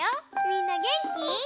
みんなげんき？